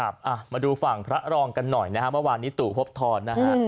มาดูฝั่งพระรองกันหน่อยนะฮะเมื่อวานนี้ตู่พบทรนะฮะ